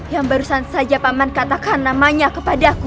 yang barusan saja paman katakan namanya kepadaku